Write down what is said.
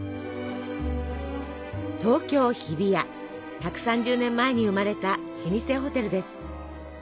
１３０年前に生まれた老舗ホテルです。